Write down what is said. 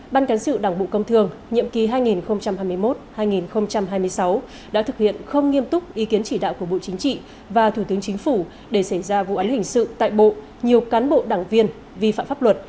ban cảnh sự đảng bộ công thương nhiệm kỳ hai nghìn hai mươi một hai nghìn hai mươi sáu đã thực hiện không nghiêm túc ý kiến chỉ đạo của bộ chính trị và thủ tướng chính phủ để xảy ra vụ án hình sự tại bộ nhiều cán bộ đảng viên vi phạm pháp luật